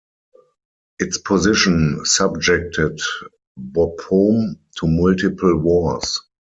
Its position subjected Bapaume to multiple wars.